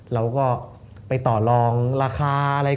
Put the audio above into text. เราก็ไปต่อลองราคาอะไร